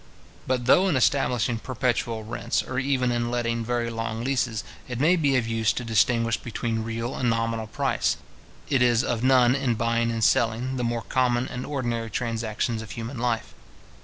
But though, in establishing perpetual rents, or even in letting very long leases, it may be of use to distinguish between real and nominal price; it is of none in buying and selling, the more common and ordinary transactions of human life.